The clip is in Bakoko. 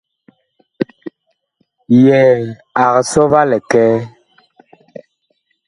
Yɛɛ ag sɔ va likɛɛ.